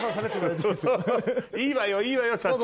いいわよいいわよ社長。